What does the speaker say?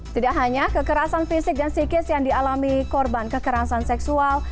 tidak hanya kekerasan fisik dan psikis yang dialami korban kekerasan seksual